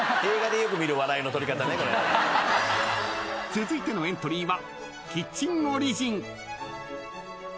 ［続いてのエントリーは］